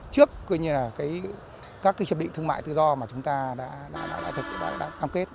trước các hiệp định thương mại tự do mà chúng ta đã cam kết